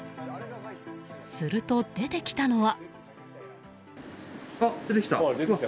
すると出てきたのは。